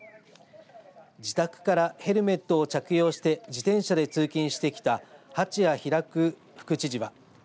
自宅からヘルメットを着用して自転車で通勤してきた八矢拓副知事は。